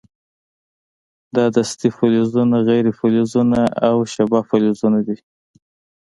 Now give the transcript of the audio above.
دا دستې فلزونه، غیر فلزونه او شبه فلزونه دي.